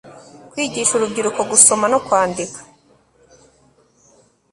kwigisha urubyiruko gusoma no kwandika